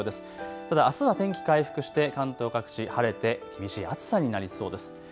ただ、あすは天気回復して関東各地、晴れて厳しい暑さになりそうです。